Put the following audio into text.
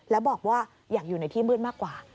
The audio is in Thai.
แล้วบอกว่าอยากอยู่ในที่มืดมากกว่า